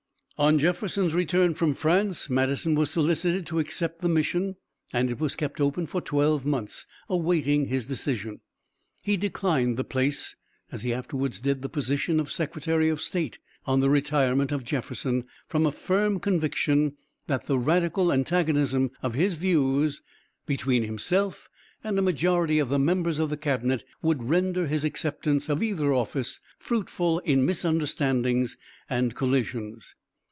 On Jefferson's return from France, Madison was solicited to accept the mission and it was kept open for twelve months awaiting his decision. He declined the place, as he afterwards did the position of Secretary of State on the retirement of Jefferson, from a firm conviction that the radical antagonism of views between himself and a majority of the members of the cabinet would render his acceptance of either office fruitful in misunderstandings and collisions.